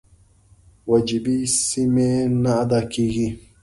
وجیبې سمې نه ادا کېږي.